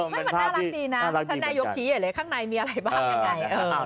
มันน่ารักดีนะท่านนายยกชี้อย่างไรข้างในมีอะไรบ้าง